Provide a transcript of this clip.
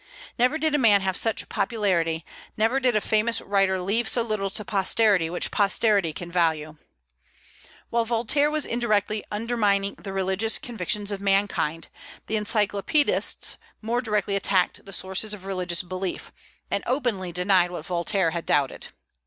Never did a man have such popularity; never did a famous writer leave so little to posterity which posterity can value. While Voltaire was indirectly undermining the religious convictions of mankind, the Encyclopedists more directly attacked the sources of religious belief, and openly denied what Voltaire had doubted.